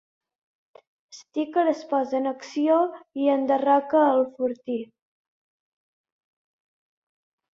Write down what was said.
Stryker es posa en acció i enderroca el fortí.